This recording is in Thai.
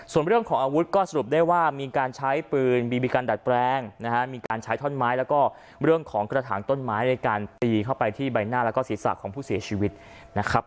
ส่วนเรื่องของอาวุธก็สรุปได้ว่ามีการใช้ปืนบีบีกันดัดแปลงนะฮะมีการใช้ท่อนไม้แล้วก็เรื่องของกระถางต้นไม้ในการตีเข้าไปที่ใบหน้าแล้วก็ศีรษะของผู้เสียชีวิตนะครับ